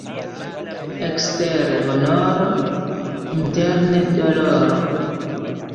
Ekstere honoro, interne doloro.